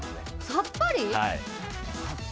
さっぱり？